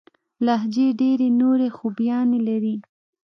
لهجې ډېري نوري خوباياني لري.